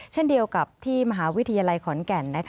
เช่นเดียวกับที่มหาวิทยาลัยขอนแก่น